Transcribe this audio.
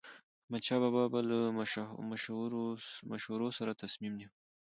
احمدشاه بابا به له مشورو سره تصمیم نیوه.